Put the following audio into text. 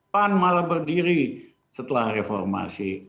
pan malah berdiri setelah reformasi